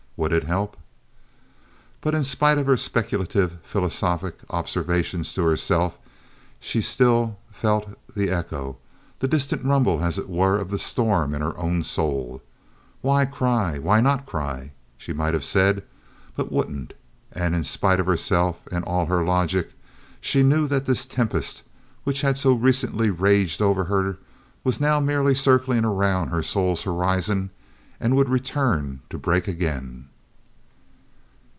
Would it help?" But, in spite of her speculative, philosophic observations to herself, she still felt the echo, the distant rumble, as it were, of the storm in her own soul. "Why cry? Why not cry?" She might have said—but wouldn't, and in spite of herself and all her logic, she knew that this tempest which had so recently raged over her was now merely circling around her soul's horizon and would return to break again.